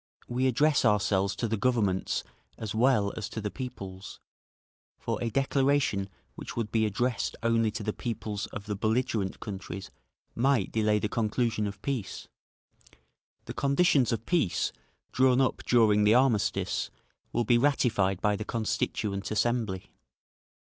We address ourselves to the Governments as well as to the peoples, for a declaration which would be addressed only to the peoples of the belligerent countries might delay the conclusion of peace. The conditions of peace, drawn up during the armistice, will be ratified by the Constituent Assembly.